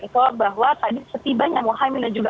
itulah bahwa tadi setibanya chaimin dan juga